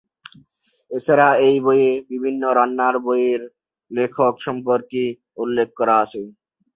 এছাড়া এই বইয়ে বিভিন্ন রান্নার বইয়ের লেখক সম্পর্কে উল্লেখ করা আছে।